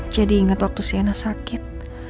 jadi inget waktu sienna sakit